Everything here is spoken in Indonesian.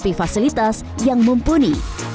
dan dilengkapi fasilitas yang mumpuni